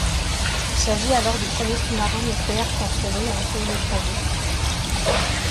Il s’agit alors du premier sous-marin nucléaire transféré à un pays étranger.